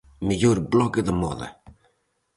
Mellor blog de moda: